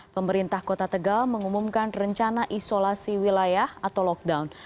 pemerintah kota tegal mengumumkan rencana isolasi wilayah atau lockdown